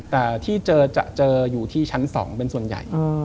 แต่ที่เจอจะเจออยู่ที่ชั้น๒เป็นส่วนใหญ่